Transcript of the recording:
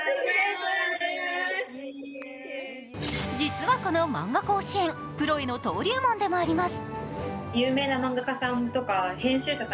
実は、このまんが甲子園、プロへの登竜門でもあります。